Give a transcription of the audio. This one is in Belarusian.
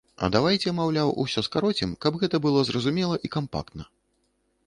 А давайце, маўляў, усё скароцім, каб гэта было зразумела і кампактна.